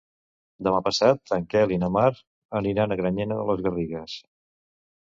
Demà passat en Quel i na Mar aniran a Granyena de les Garrigues.